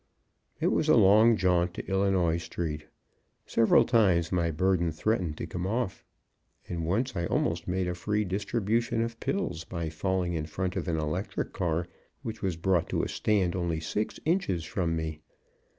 It was a long jaunt to Illinois street. Several times my burden threatened to come off. And once I almost made a free distribution of pills by falling in front of an electric car, which was brought to a stand only six inches from me.